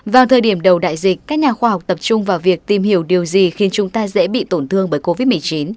vào thời điểm đầu đại dịch các nhà khoa học tập trung vào việc tìm hiểu điều gì khiến chúng ta dễ bị tổn thương bởi covid một mươi chín